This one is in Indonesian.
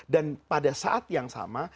dan pada saat yang sama